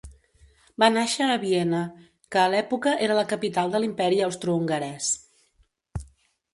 Va nàixer a Viena, que a l'època era la capital de l’Imperi Austrohongarès.